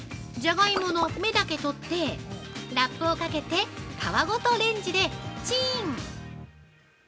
ジャガイモの芽だけ取ってラップをかけて皮ごとレンジでチン。